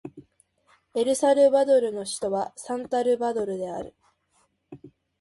エルサルバドルの首都はサンサルバドルである